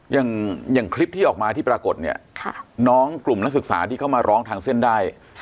อย่างคลิปที่ออกมาที่ปรากฏเนี่ยน้องกลุ่มนักศึกษาที่เข้ามาร้องทางเส้นได้